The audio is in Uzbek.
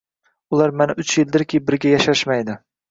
Ular mana uch yildirki, birga yashashmaydi